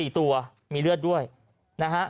๔ตัวมีเลือดด้วยนะฮะ